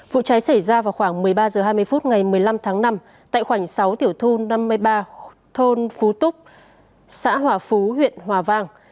vụ cháy xảy ra vào khoảng một mươi ba h hai mươi phút ngày một mươi năm tháng năm tại khoảnh sáu tiểu thôn năm mươi ba thôn phú túc xã hòa phú huyện hòa vang